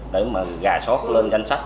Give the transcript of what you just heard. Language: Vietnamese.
để mà gà sót lên danh sách